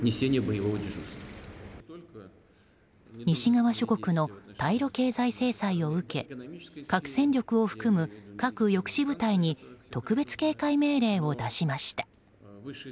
西側諸国の対露経済制裁を受け核戦力を含む核抑止部隊に特別警戒命令を出しました。